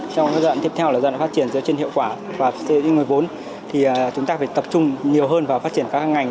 trong cái dặn tiếp theo là dặn phát triển doanh nghiệp trên hiệu quả và doanh nghiệp trên người vốn thì chúng ta phải tập trung nhiều hơn vào phát triển các ngành